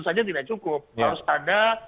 saja tidak cukup harus ada